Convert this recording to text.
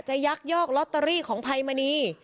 ยักยอกลอตเตอรี่ของภัยมณี